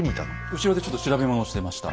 後ろでちょっと調べ物をしてました。